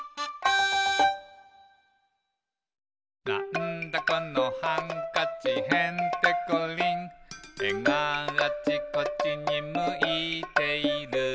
「なんだこのハンカチへんてこりん」「えがあちこちにむいている」